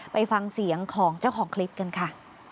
ไปฟังเสียงของเจ้าของคลิปกันค่ะ